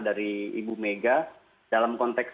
dari ibu mega dalam konteks